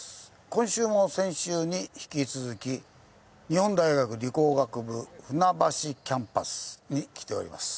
今週も先週に引き続き日本大学理工学部船橋キャンパスに来ております。